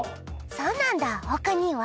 そうなんだほかには？